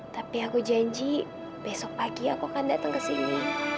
tapi aku janji besok pagi aku akan datang ke sini